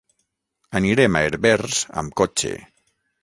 Anirem a Herbers amb cotxe.